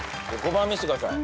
５番見してください。